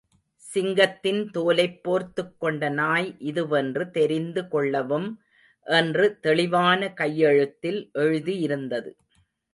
சிங்கத்தின் தோலைப் போர்த்துக்கொண்ட நாய் இதுவென்று தெரிந்து கொள்ளவும் என்று தெளிவான கையெழுத்தில் எழுதியிருந்தது.